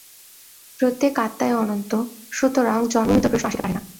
প্রত্যেক আত্মাই অনন্ত, সুতরাং জন্মমৃত্যুর প্রশ্ন আসিতে পারে না।